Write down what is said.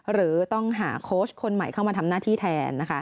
หรือต้องหาโค้ชคนใหม่เข้ามาทำหน้าที่แทน